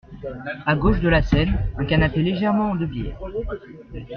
À gauche de la scène, un canapé légèrement de biais.